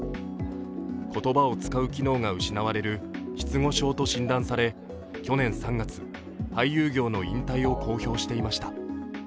言葉を使う機能が失われる失語症と診断され、去年３月、俳優業の引退を公表していました。